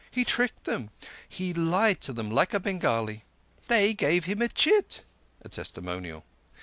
"He tricked them. He lied to them like a Bengali. They give him a chit (a testimonial).